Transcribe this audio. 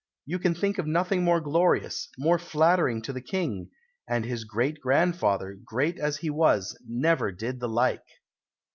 You can think of nothing more glorious, more flattering to the King; and his great grandfather, great as he was, never did the like!"